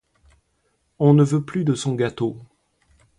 On ne veut plus de son gâteau.